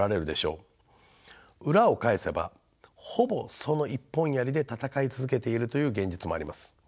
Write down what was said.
裏を返せばほぼその一本やりで戦い続けているという現実もあります。